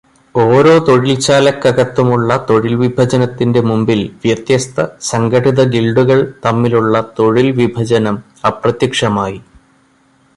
ഓരോ തൊഴിൽ ശാലക്കകത്തുമുള്ള തൊഴിൽവിഭജനത്തിന്റെ മുമ്പിൽ വ്യത്യസ്ത സംഘടിത ഗിൽഡുകൾ തമ്മിലുള്ള തൊഴിൽ വിഭജനം അപ്രത്യക്ഷമായി.